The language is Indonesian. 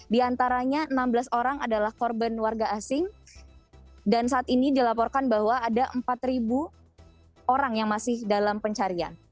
di antaranya enam belas orang adalah korban warga asing dan saat ini dilaporkan bahwa ada empat orang yang masih dalam pencarian